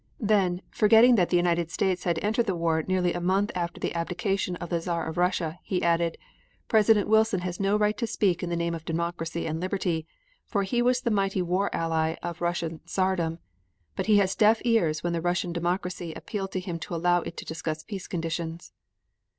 Then, forgetting that the United States had entered the war nearly a month after the abdication of the Czar of Russia, he added: "President Wilson has no right to speak in the name of democracy and liberty, for he was the mighty war ally of Russian Czardom, but he had deaf ears when the Russian democracy appealed to him to allow it to discuss peace conditions."